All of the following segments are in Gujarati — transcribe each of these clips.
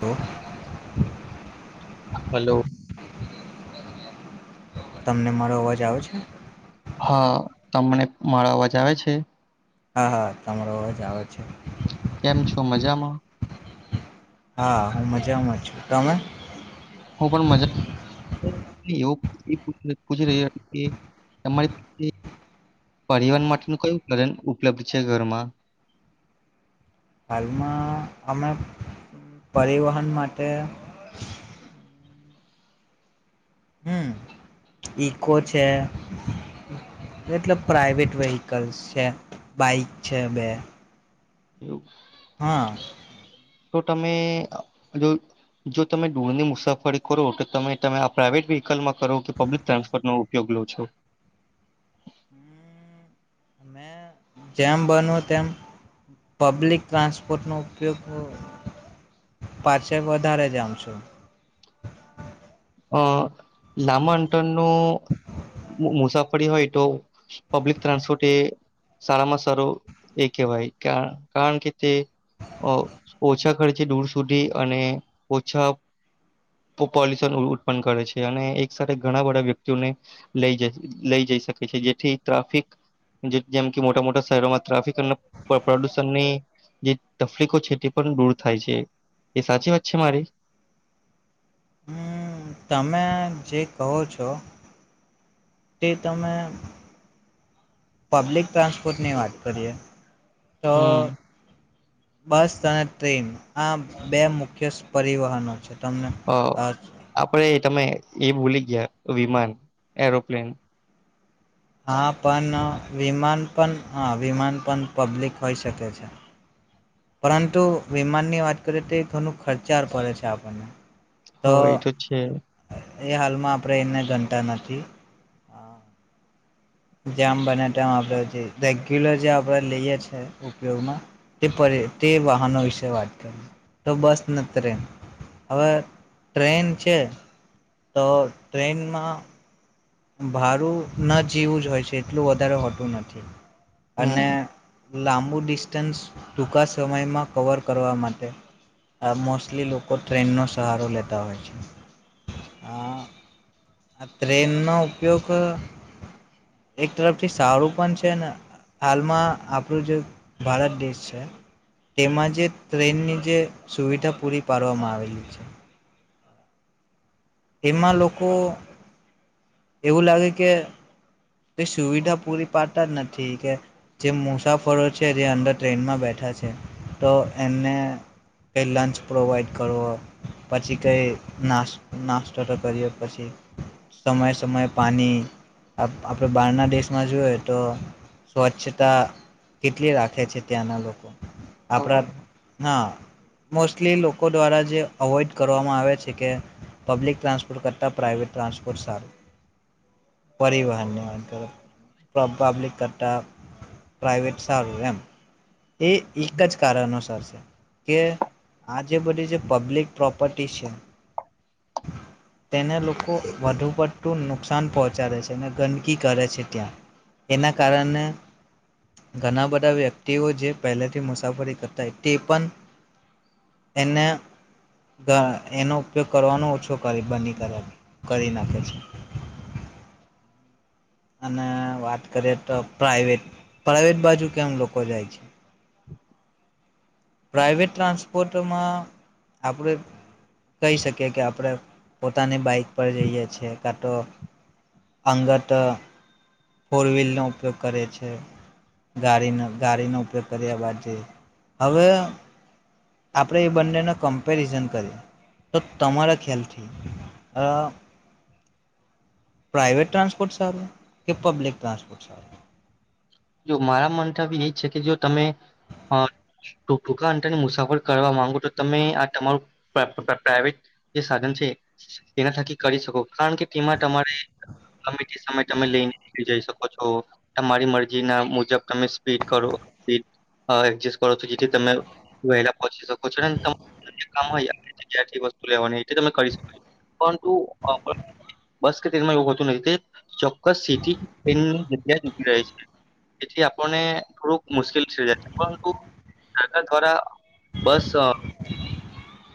હૂ હલો તમને મારો અવાજ આવે છે હા તમને મારો અવાજ આવે છે હા હા તમારો અવાજ આવે છે કેમ છો મજામાં હા હું મજામાં છું તમે હું પણ મજા. એવ પૂછી રયા કે તમારી પાસે પરિવાર માટેનું કયું ઉપકરણ ઉપલબ્ધ છે ઘરમાં હાલમાં અમે પરિવહન માટે હમ ઈકો છે એટલે પ્રાઇવેટ વેહકલ્સ છે બાઈક છે બે. એવું. હા. તો તમે જો જો તમે ડૂરની મુસાફરી કરો તો તમે તમે આ પ્રાઈવેટ વ્યકલમાં કરો કે પબ્લિક ટ્રાન્સપોર્ટ નો ઉપયોગ લો છો. હમ મેં. જેમ બનો તેમ પબ્લિક ટ્રાસ. [unintelligible] નું ઉપયોગ નું પાછે વધારે જવુ છું. અ લામાંન્ટન. તો મુસા પણી હોય તો પ્લિક ટ્રાન્સપોર્ટ એ સારામાં સારો એ કહેવાય કા કારણ કે તે ઓ ઓછા ખર્ચે દૂર સુધી અને ઓછા પો પોલ્યુશન પણ કરે છે અને એક સાથે ઘણા બધા વ્યક્તિઓને લઈજઈ લઈ જઈ શકે છે જેથી ટ્રાફિક જે જેમ કે મોટા મોટા શહેરોમાં ટ્રાફિક અને પ પ્રદુષણની જે તકલીફો છે તે પણ દૂર થાય છે એ સાચી વાત છે મારી હમ તમે જે કહો છો તે તમે. પબ્લિક ટ્રાન્સપોર્ટની વાત કરીએ. તો. હમ બસ અને ટ્રેન આ બે મુખ્ય પરિવહનો છે. તમને હ આપડે તમે. એ ભૂલી ગયા વિમાન એરોપ્લેન હા પણ વિમાન પણ હા વિમાન પણ પબ્લિક હોઈ શકે છે. પરંતુ વિમાન ની વાત કરીએ તો થોડું ખર્ચા પડે છે આપણને હ એ તો છે. એ હાલમાં આપણે એને ગણતા નથી હા. જામ બને ટમ આપણે જે રેગ્યુલર જે આપણે લઈએ છે ઉપયોગમાં તે તે વાહનો વિશે વાત કરીએ તો બસ ને ટ્રેન હવે ટ્રેન છે તો ટ્રેનમાં ભાડું ન જેવું જ હોય છે એટલું વધારે હોતું નથી અને હમ લાંબુ ડિસ્ટન્સ ટૂંકા સમયમાં કવર કરવા માટે આ મોસ્ટલી લોકો ટ્રેનનો સહારો લેતા હોય છે આ ટ્રેનનો ઉપયોગ એક તરફથી સારું પણ છે હાલમાં આપણું જે ભારત દેશ છે તેમાં જે ટ્રેનની જે સુવિધા પૂરી પાડવામાં આવી છે [unintelligible] એમાં લોકો એવું લાગે કે તે સુવિધા પૂરી પાડતા જ નથી કે જેમ મુસાફરો છે જે અંદર ટ્રેનમાં બેઠા છે તો એમને [unintelligible] લંચ પ્રોવાઈડ કરવો પછી કંઈ નાશ નાસ્તો તો કરીઓ પછી સમયે સમયે પાણી આપણે બહારના દેશમાં જોઈએ તો સ્વચ્છતા કેટલી રાખે છે ત્યાં લોકો આપણા હા મોસ્ટલી લોકો દ્વારા જે અવોઈડ કરવામાં આવે છે કે પબ્લિક ટ્રાન્સપોર્ટ કરતા પ્રઇવેટ ટ્રાન્સપોર્ટ સારું પરિવહન ને વાહન કરતા પબ પબ્લિક કરતા પ્રઇવેટ સારું એમ એ એક જ કારણોસર છે કે આ જે બધી જે પબ્લિક પ્રોપર્ટી છે તેને લોકો વધુ પડતું નુકસાન પહોંચાડે છે અને ગન નક્કી કરે છે ત્યાં એના કારણે ઘણા બધા વ્યક્તિઓ જે પહેલેથી મુસાફરી કરતાય તે પણ એને ગ એનો ઉપયોગ કરવાનો ઓછો કરે બની કને કરી નાખે છે અને વાત કરીએ તો પ્રાઇવેટ પ્રાઈવેટ બાજુ કેમ લોકો જાય છે પ્રાઈવેટ ટ્રાન્સપોર્ટમાં આપણે કહી શકીએ કે આપડે પોતાની બાઈક પર જઈએ છીએ કટો અંગત ફોર વ્હીલનો ઉપયોગ કરે છે ગાડીને ગાડીનો ઉપયોગ કર્યા બાદ જે હવે આપણે એ બંનેનો કમ્પેરિઝન કરીએ તો તમારા ખ્યાલથી અ પ્રાઈવેટ ટ્રાસપોર્ટ સારું કે પબલિક ટ્રાસપોર્ટ સારું જો મારા મંતવ્ય એ છે કે જો તમે અ ટુ ટૂંકા અંતરની મુસાફર કરવા માંગો તો તમે આ તમારું પ્રાઈવેટ પ્રાઈવેટ જે સાધન છે તેના થકી કરી શકો કારણ કે તેમાં તમારે ગમે તે સમય તમે લઈને જઈ શકો છો મારી મરજી ના મુજબ તમે સ્પીડ કરો સ્પીડ એડજસ્ટ કરો છો જેથી તમે વહેલા પહોચી શકો છો અને તમ તમે [unintelligible] થી વસ્તુ લેવાની તમે કરી શકો છો પરંતુ બસ કે તેમાં એવું હોતું નથી ચોક્કસ સિટી તેની જગ્યા એ રહે છે એથી આપણને થોડુંક મુશ્કેલ થઈ જાય છે પરંતુ સરકાર દ્વારા બસ અ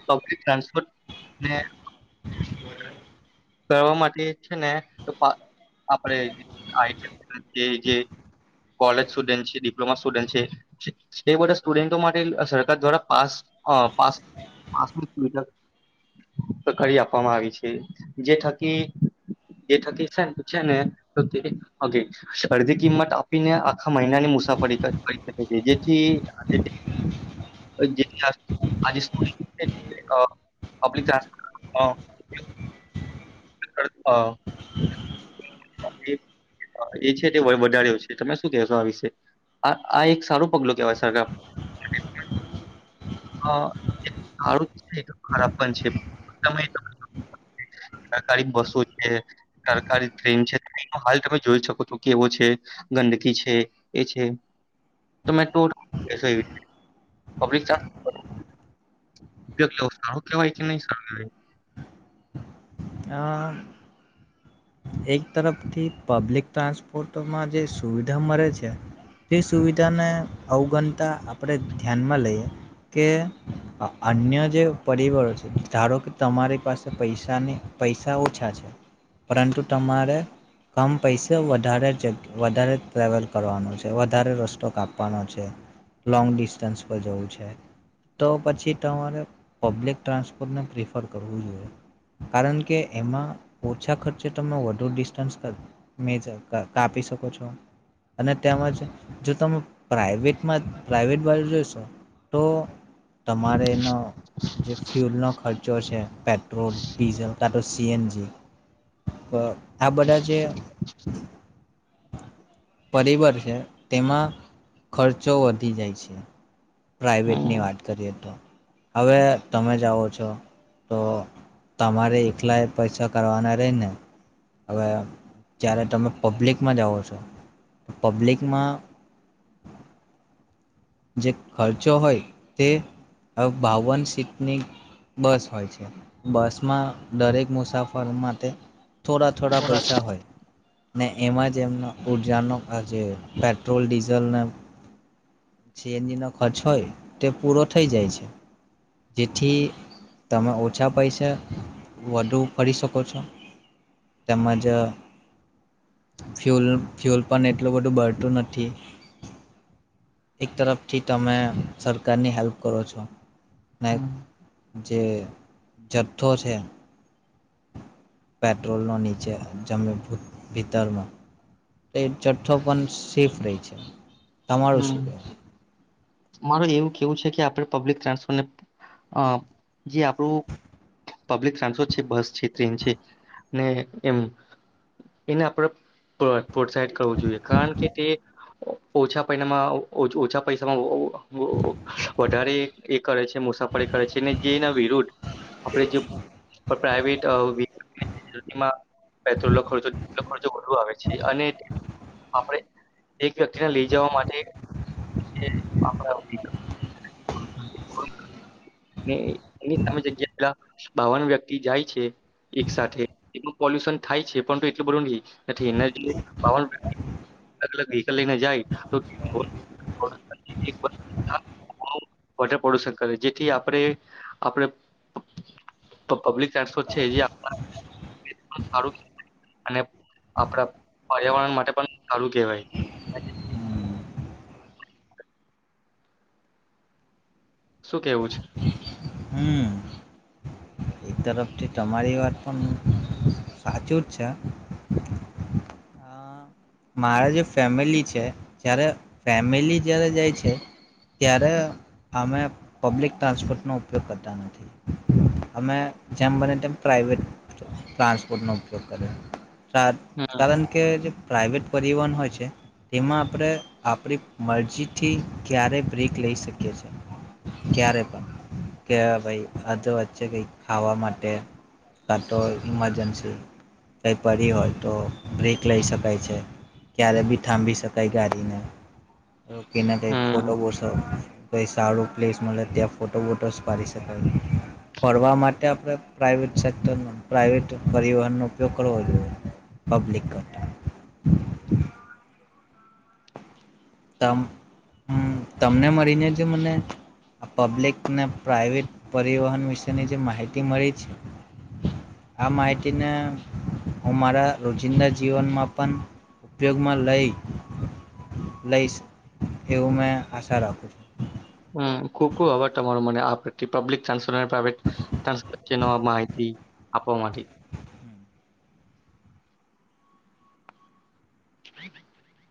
પબ્લિક ટ્રાન્સપોર્ટ ને કરવા માટે છે ને આપણે [unintelligible] જે જે કૉલેજ સ્ટુડન્ટ છે ડિપ્લોમા સ્ટુડન્ટ છે એ બધા સ્ટુડન્ટો માટે સરકાર દ્વારા પાસ અ પાસ પાસ મતલબ સરકારી આપવામાં આવી છે જે જે થકી જે થકી છે છે ને [unintelligible] ઓકે અરધી કિંમત આપીને આખા મહિનાની મુસાફરી કરી શકે છે જેથી જે થાકી આજે [unintelligible] પબ્લિક ટ્રાન્સપોર્ટ છે ને એ છે તે વધાર્યો હોય છે તમે શું કેહેશો આ વિશે આ આ એક સારું પગલું કેવાય સરકાર અ સારું પણ છે અને ખરાબ પણ છે તમે શું કહેશો સરકારી બસો છે સરકારી ટ્રેન છે હાલ તમે જોઈ શકો છો કેવો છે ગંદકી છે એ છે તમે પબ્લિક ટ્રાન્સપોર્ટ [inaudible] ઉપયોગ લેવો સારો કેવાય કે નહી સારું કેવાય એક તરફથી પબ્લિક ટ્રાન્સપોર્ટમાં જે સુવિધા મળે છે તે સુવિધાને અવગણતા આપણે ધ્યાનમાં લઈએ કે અન્ય જે પરિબળો છે ધારો કે તમારી પાસે પૈસાની પૈસા ઓછા છે પરંતુ તમારે કમ પૈસે વધારે જગ્યા વધારે ટ્રાવલ કરવાનો છે વધારે રસ્તો કાપવાનો છે લોંગ ડિસ્ટન્સ પર જવું છે તો પછી તમારે પબ્લિક ટ્રાન્સપોર્ટને પ્રિફર કરવું જોઈએ કારણ કે એમાં ઓછા ખર્ચે તમે વધુ ડિસ્ટન્સ મેજર કાપી શકો છો અને તેમજ જો તમે પ્રાઇવેટમાં પ્રાઇવેટ બાજુ જોઈશો તો તમારે એનો જે ફ્યુલ નો ખર્ચો છે. પેટ્રોલ ડીઝલ, કાં તો સી એન જી, વ આ બધા જે પરિવાર છે તેમાં ખર્ચો વધી જાય છે. પ્રાઇવેટની હમ વાત કરીએ તો. હવે તમે જાઓ છો તો તમારે એકલા એ પૈસા કરવાના રેયને, હવે જ્યારે તમે પબ્લિકમાં જાઓ છો, તો પબ્લિકમાં જે ખર્ચો હોય તે બાવન સીટની બસ હોય છે. બસમાં દરેક મુસાફર માટે થોડા-થોડા થોડાક પૈસા હોય. ને એમાં જ એમનો ઉર્જાનો આ જે પેટ્રોલ, ડીઝલને સી એન જીનો ખર્ચ હોય તે પૂરો થઈ જાય છે. જેથી તમે ઓછા પૈસા વધુ ફરી શકો છો, તેમજ અહ ફ્યૂલ ફ્યૂલ પન એટલું બધું બળતું નથી. એક તરફથી તમે સરકારની હેલ્પ કરો છો. ને હમ્મ. જે જથ્થો છે પેટ્રોલનો નીચે જમી ભી ભીતરમાં તો એ જથ્થો પણ સેફ રેય છે. તમારું શું હમ કેવું? મારું જ એવું કેવું છે કે આપણે પબ્લિક ટ્રાન્સફરને અહ જે આપણું પબ્લિક ટ્રાન્સપોર્ટ છે, બસ છે, ટ્રેન છે, ને એમ, એને આપણે પ પ્રોત્સાહિત કરવું જોઈએ, કારણ કે તે ઓછા પૈનામાં ઓછા પૈસામાં ઓ વધારે એ-એ કરે છે, મુસાફરી કરે છે અને જે એના વિરુદ્ધ આપણે જે પ્રાઈવેટ અહ [inaudible] એમાં પેટ્રોલ નો ખર્ચો [unintelligible] વધુ આવે છે, અને આપણે એક વ્યક્તિને લઈ જવા માટે [unintelligible] [inaudible] ને એની સામે [unintelligible] બાવન વ્યક્તિ જાય છે એક સાથે, એટલું પોલ્યુશન થાય છે, પણ એટલું બધું નહી નથી, એને જી બાવન [inaudible] વ્હીકલ લઈને જાય તો [inaudible] [inaudible] બધે પોલ્યુશન કરે જેથી આપણે આપણે તો પબ્લિક ટ્રાન્સપોર્ટ છે [inaudible] અને આપણા પર્યાવરણ માટે પણ સારું કહેવાય. શું કેવું છ? હમ એક તરફથી તમારી વાત પણ સાચું જ છે. મારા જે ફેમિલી છે, જ્યારે ફેમિલી જ્યારે જાય છે ત્યારે અમે પબ્લિક ટ્રાન્સપોર્ટનો ઉપયોગ કરતા નથી. અમે જેમ બને તેમ પ્રાાઈવેટ ટ્રાન્સપોર્ટનો ઉપયોગ કરીએ. [unintelligible] હમ કારણ કે જે પ્રાઇવેટ પરિવહન હોય છે, તેમાં આપણે આપણી મરજીથી ક્યારેય બ્રેક લઈ શકીએ છે, ક્યારે પણ, કે ભાઈ આ તો વચ્ચે કંઈ ખાવા માટે કાં તો ઇમરજન્સી કંઈ પડી હોય તો બ્રેક લઈ શક કાય છે, ક્યારેય બી થાંભી શકાય ગાડીને. તો કેના કાંઈક ફોટો હમ [unintelligible] કંઈ સારો પ્લેસ મળે ત્યાં ફોટો વોટોસ પાડી શકાય. ફરવા માટે આપણે પ્રાઇવેટ સેક્ટરનો પ્રાઇવેટ પરિવહનનો ઉપયોગ કરવો જોઈએ, પબ્લિક કરતાં. [inaudible] તમ અમ્મ તમને મળીને જે મને આ પબ્લિક ને પ્રાઇવેટ પરિવહન વિશેની જે માહિતી મળી છે, આ માહિતીને હું મારા રોજિંદા જીવનમાં પણ ઉપયોગમાં લઈ લઈશ એવું મેં આશા રાખું છું. હમ્મ. ખૂબ-ખૂબ આભાર તમારો. મને આ પથી પબ્લિક ટ્રાન્સપોર્ટ અને પ્રાઈવેટ ટ્રાન્સપોર્ટ જેનો આ માહિતી આપવા માંથી. [inaudible]